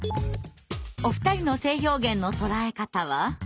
お二人の性表現の捉え方は？